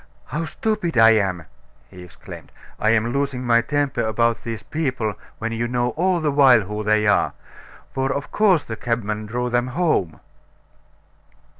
"How stupid I am!" he exclaimed. "I'm losing my temper about these people when you know all the while who they are. For of course the cabmen drove them home."